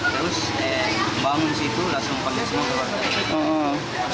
terus bangun disitu langsung panggil semua keluarga